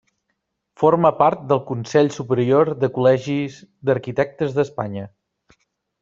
Forma part del Consell Superior de Col·legis d'Arquitectes d'Espanya.